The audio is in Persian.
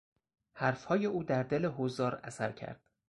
حرفهای او در دل حضار اثر کرد.